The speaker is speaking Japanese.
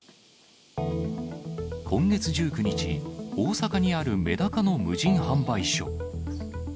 今月１９日、大阪にあるメダカの無人販売所。